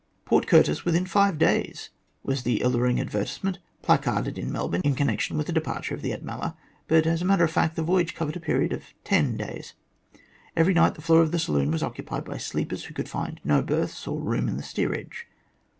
" Port Curtis within five days," was the alluring advertise ment placarded in Melbourne in connection with the departure of the Admella, but, as a matter of fact, the .voyage covered a period of ten days. Every night the floor of the saloon was occupied by sleepers who could find no berths or room in the steerage.